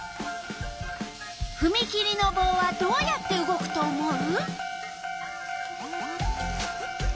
ふみ切りのぼうはどうやって動くと思う？